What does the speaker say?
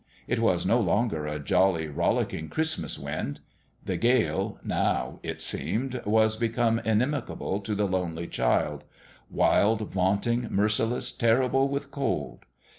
It was no longer a jolly, rollicking Christmas wind. The gale, now, it seemed, was become inimical to the lonely child : wild, vaunting, merciless, terrible with cold.